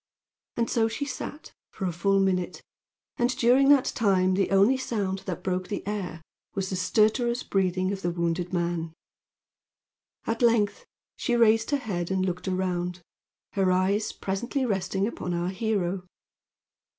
And so she sat for a full minute, and during that time the only sound that broke the air was the stertorous breathing of the wounded man. At length she raised her head and looked around, her eyes presently resting upon our hero.